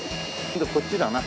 こっちだな。